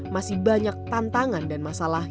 masih banyak tantangan dan masalah